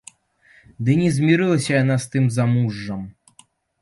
Ды не змірылася яна з тым замужжам.